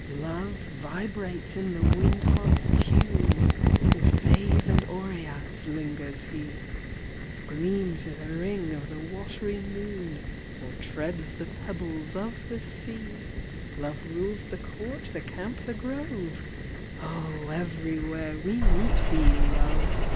Love vibrates in the wind harp s tune With fays and oreads lingers he Gleams in th ring of the watery moon, Or treads the pebbles of the sea. Love rules " the court, the camp, the grove " Oh, everywhere we meet thee, Love